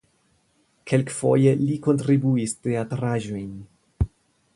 Kelkfoje li kontribuis teatraĵojn.